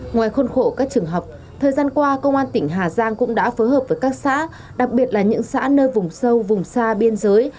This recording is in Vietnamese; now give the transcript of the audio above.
ngoài khuôn khổ các trường học thời gian qua công an tỉnh hà giang cũng đã phối hợp với các xã đặc biệt là những xã nơi vùng sâu vùng xa biên giới